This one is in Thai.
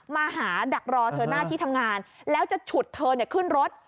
มาหาดักรอเธอหน้าที่ทำงานแล้วจะฉุดเธอขึ้นรถ